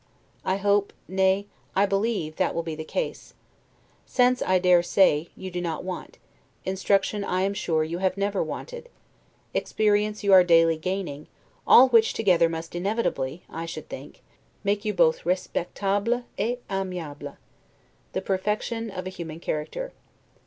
I hope, nay, I believe, that will be the case. Sense, I dare say, you do not want; instruction, I am sure, you have never wanted: experience you are daily gaining: all which together must inevitably (I should think) make you both 'respectable et aimable', the perfection of a human character.